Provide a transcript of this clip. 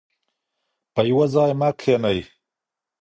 په یوه ځای مه کښینئ.